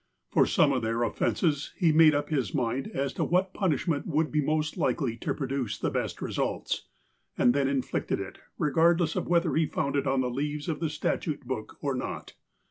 For some of their offences he made up his mind as to what punishment would be most likely to produce the best results, and then inflicted it, regard less of whether he found it on the leaves of the statute book, or not.